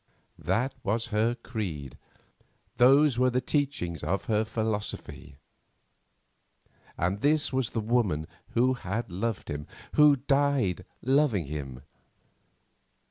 That was her creed, those were the teachings of her philosophy. And this was the woman who had loved him, who died loving him.